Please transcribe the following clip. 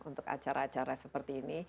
untuk acara acara seperti ini